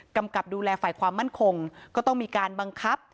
กำกับดูแลฝ่ายความมั่นคงก็ต้องมีการบังคับ